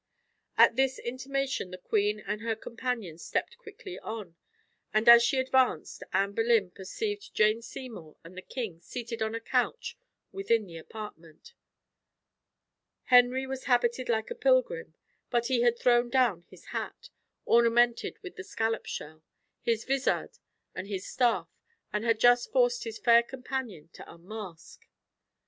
At this intimation the queen and her companion stepped quickly on, and as she advanced, Anne Boleyn perceived Jane Seymour and the king seated on a couch within the apartment. Henry was habited like a pilgrim, but he had thrown down his hat, ornamented with the scallop shell, his vizard, and his staff, and had just forced his fair companion to unmask.